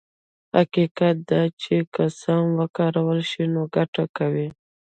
حقيقت دا دی چې که سم وکارول شي نو ګټه کوي.